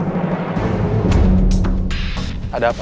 tidak ada apa apa